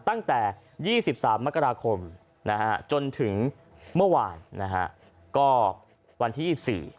ตั้งแต่๒๓มกราคมจนถึงเมื่อวานวันที่๒๔